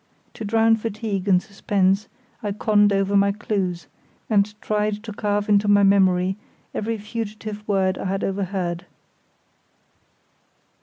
To drown fatigue and suspense I conned over my clues, and tried to carve into my memory every fugitive word I had overheard.